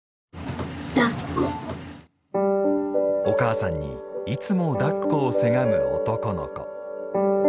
お母さんにいつもだっこをせがむ男の子。